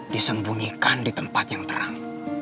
disembunyikan di tempat yang terang